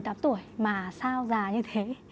một mươi tám tuổi mà sao già như thế